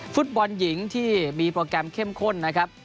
ฟุตบอลหญิงที่มีโปรแกรมเข้มข้นนะครับ